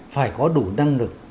phải có đủ năng lực